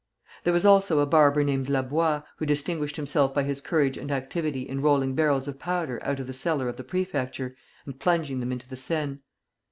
There was also a barber named Labois, who distinguished himself by his courage and activity in rolling barrels of powder out of the cellar of the prefecture, and plunging them into the Seine.